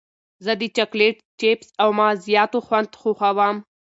زه د چاکلېټ، چېپس او مغزیاتو خوند خوښوم.